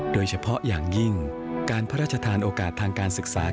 โดยเฉพาะอย่างยิ่งการพระราชทานโอกาสทางการศึกษา